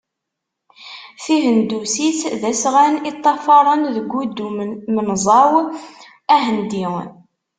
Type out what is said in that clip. Tihendusit d asɣan i ṭṭafaren deg udu-menẓaw ahendi.